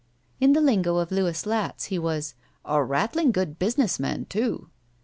In the Ungo of Louis Latz, he was "a rattling good business man, too."